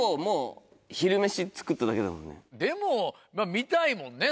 でもまぁ見たいもんね